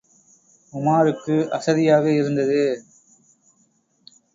உமாருக்கு அசதியாக இருந்தது.